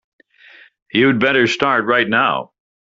You'd better start right now.